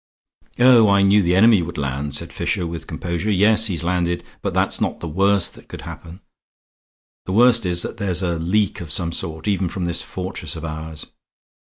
"Oh, I knew the enemy would land," said Fisher, with composure. "Yes, he's landed; but that's not the worst that could happen. The worst is that there's a leak of some sort, even from this fortress of ours.